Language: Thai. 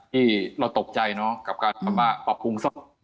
ที่เราตกใจกับการกับมาตรกพรุ่งซ่อน